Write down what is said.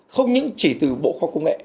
không chỉ từ bộ khoa công nghệ